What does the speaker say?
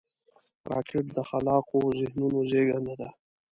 راکټ د خلاقو ذهنونو زیږنده ده